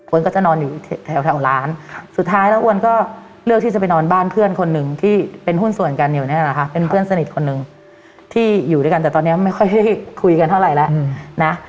ก็จะนอนอยู่แถวร้านสุดท้ายแล้วอ้วนก็เลือกที่จะไปนอนบ้านเพื่อนคนหนึ่งที่เป็นหุ้นส่วนกันอยู่นี่แหละค่ะเป็นเพื่อนสนิทคนหนึ่งที่อยู่ด้วยกันแต่ตอนนี้ไม่ค่อยได้คุยกันเท่าไหร่แล้วนะ